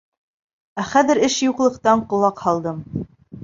Ә хәҙер эш юҡлыҡтан ҡолаҡ һалдым.